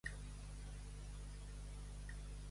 Quina porqueria de programa que és "el tros"!